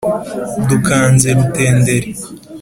dukanze rutenderi